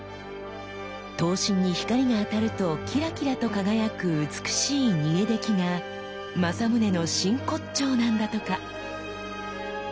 刀身に光が当たるとキラキラと輝く美しい沸出来が正宗の真骨頂なんだとか。